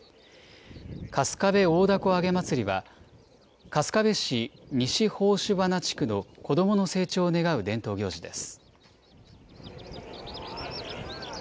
春日部大凧あげ祭りは、春日部市西宝珠花地区の子どもの成長を願う伝統行事です。